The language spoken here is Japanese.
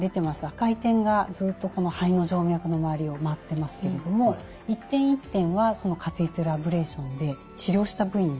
赤い点がずっとこの肺の静脈の周りを回ってますけれども一点一点はそのカテーテルアブレーションで治療した部位になります。